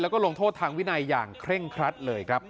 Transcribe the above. แล้วก็ลงโทษทางวินัยอย่างเคร่งครัดเลยครับ